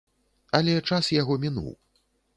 Але час яго мінуў.